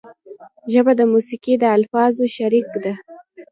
ژبه د موسیقۍ د الفاظو شریک ده